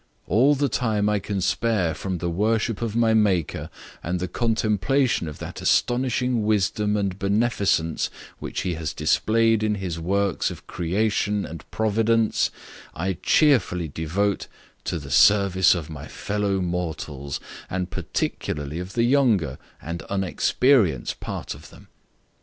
All the time I can spare from the worship of my Maker, and the contemplation of that astonishing wisdom and beneficence which he has displayed in his works of creation and providence, I cheerfully devote to the service of my fellow mortals, and particularly of the younger and unexperienced part of them.